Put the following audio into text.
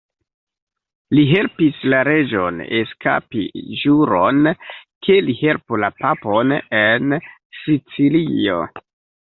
Li helpis la reĝon eskapi ĵuron ke li helpu la papon en Sicilio.